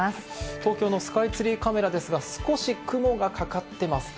東京のスカイツリーカメラですが少し雲がかかってますか？